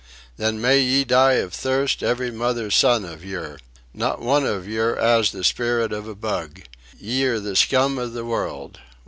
Then may ye die of thirst, every mother's son of yer! Not one of yer 'as the sperrit of a bug. Ye're the scum of the world.